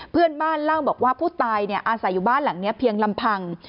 เพื่อนบ้านเล่าบอกว่าผู้ตายอาศัยอยู่บ้านหลังนี้เพียงลำพัง